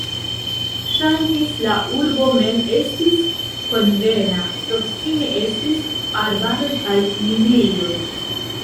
Ŝajnis, la urbo mem estis konvena, proksime estis arbaroj kaj minejoj.